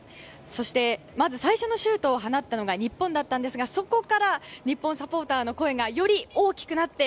そしてまず最初のシュートを放ったのが日本だったんですがそこから日本サポーターの声がより大きくなって。